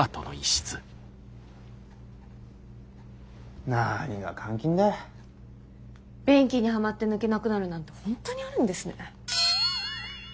便器にはまって抜けなくなるなんて本当にあるんですね。